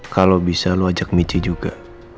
kalau bisa lu ajak mici juga